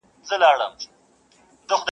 • مړې سي عاطفې هلته ضمیر خبري نه کوي..